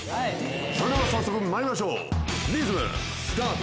早速まいりましょうリズムスタート！